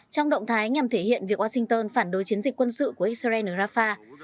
trong động thái nhằm thể hiện việc washington phản đối chiến dịch quân sự của israel ở rafah